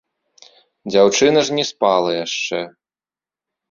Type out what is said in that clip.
Дзяўчына ж не спала яшчэ.